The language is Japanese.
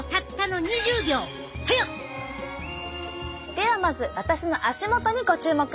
ではまず私の足元にご注目！